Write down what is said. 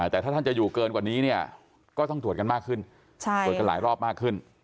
แต่ถ้าท่านจะอยู่เกินกว่านี้เนี่ยก็ต้องตรวจกันมากขึ้นตรวจกันหลายรอบมากขึ้น